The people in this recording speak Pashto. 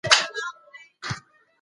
ولسونه خپلې هیلې بایلي.